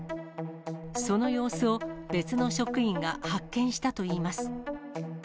その様子を、別の職員が発見したといいます。